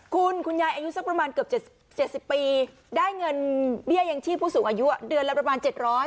คุณคุณยายอายุสักประมาณเกือบ๗๐ปีได้เงินเบี้ยยังชีพผู้สูงอายุเดือนละประมาณ๗๐๐